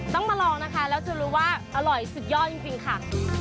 ต้องมาลองนะคะแล้วจะรู้ว่าอร่อยสุดยอดจริงค่ะ